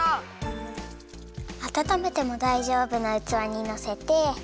あたためてもだいじょうぶなうつわにのせて。